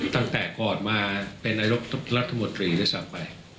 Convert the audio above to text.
ตั้งแต่ก่อนมาเป็นนายกรัฐมนตรีด้วยซ้ำไป